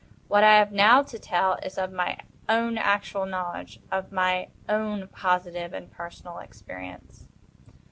What I have now to tell is of my own actual knowledge—of my own positive and personal experience.